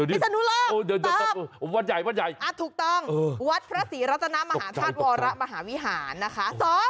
พิศนุโลกตอบถูกต้องวัดพระศรีราชนะมหาธาตุวรรณมหาวิหารนะคะ๒